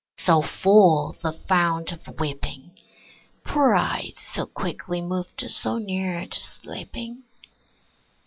So full, the fount of weeping? Poor eyes, so quickly moved, so near to sleeping?